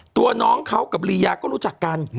ตัวน้องเขากับลียาก็รู้จักกัน